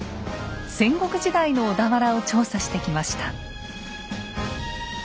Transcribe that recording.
戦国時代の小田原を調査してきました。